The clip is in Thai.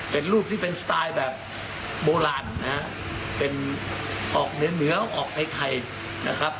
เป็นรูปที่เป็นสไตล์แบบโบราณนะฮะเป็นออกเหนือเหนือออกไทยนะครับ